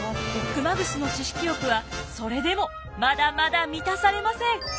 熊楠の知識欲はそれでもまだまだ満たされません。